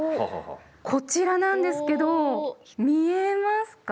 こちらなんですけど見えますか？